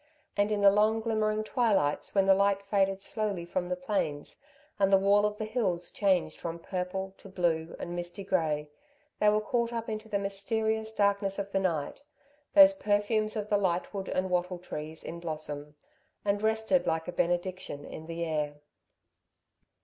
And in the long glimmering twilights when the light faded slowly from the plains and the wall of the hills changed from purple to blue and misty grey, they were caught up into the mysterious darkness of the night those perfumes of the lightwood and wattle trees in blossom and rested like a benediction in the air.